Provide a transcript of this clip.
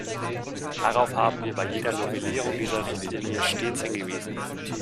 Darauf haben wir bei jeder Novellierung dieser Richtlinie stets hingewiesen.